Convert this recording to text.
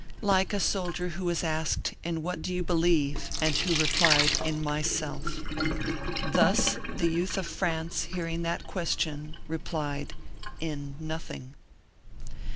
Like a soldier who was asked: "In what do you believe?" and who replied: "In myself." Thus the youth of France, hearing that question, replied: "In nothing."